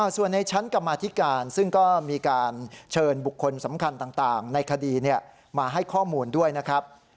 ส่วนในชั้นกรรมาธิการซึ่งก็มีการเชิญบุคคลสำคัญต่างในคดีมาให้ข้อมูลด้วยนะครับ